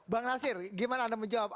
bang nasir gimana anda menjawab